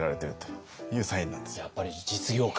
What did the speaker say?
やっぱり実業家。